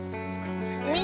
mie nya belum mateng